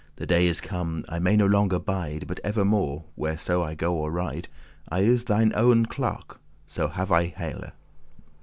The day is come, I may no longer bide, But evermore, where so I go or ride, I is thine owen clerk, so have I hele.